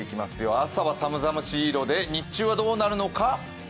朝は寒々しい色で、日中はどうなるのか？